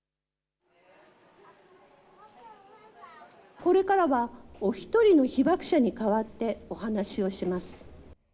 これからはお１人の被爆者に代わってお話をします。